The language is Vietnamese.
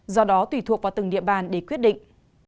do đó tùy thuộc vào từng địa bàn để quyết định